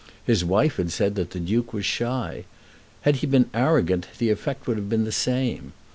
His wife had said that the Duke was shy. Had he been arrogant the effect would have been the same.